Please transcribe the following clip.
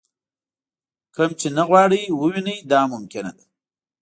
کوم چې نه غواړئ ووینئ دا ممکنه ده.